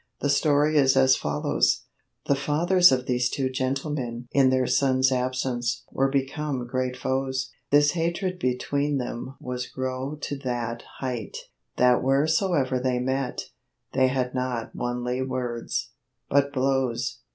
The story is as follows: The Fathers of these two Gentlemen (in their Sonnes absence) were become great foes: this hatred betweene them was growne to that height, that wheresoever they met, they had not onely wordes, but blowes.